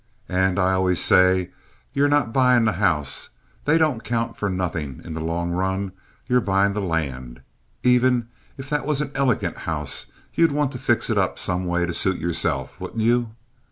And I allus say you're not buying houses; they don't count for nothing in the long run; you're buying land. Even if that was an elegant house, you'd want to fix it up some way to suit yourself, wouldn't you?